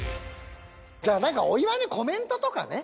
じゃあなんかお祝いのコメントとかね。